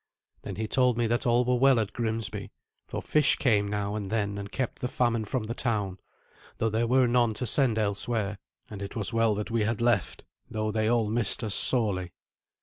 Then he told me that all were well at Grimsby; for fish came now and then and kept the famine from the town, though there were none to send elsewhere; and it was well that we had left, though they all missed us sorely.